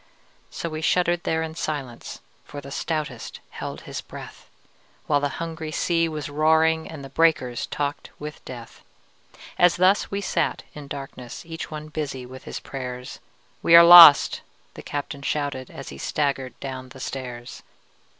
So we shuddered there in silence, For the stoutest held his breath, While the hungry sea was roaring And the breakers talked with death. As thus we sat in darkness Each one busy with his prayers, "We are lost!" the captain shouted, As he staggered down the stairs.